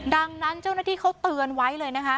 ดังนั้นเจ้าหน้าที่เขาเตือนไว้เลยนะคะ